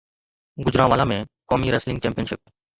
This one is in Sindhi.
گوجرانوالا ۾ قومي ريسلنگ چيمپيئن شپ